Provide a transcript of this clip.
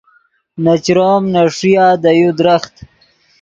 نے چروم نے ݰویا دے یو درخت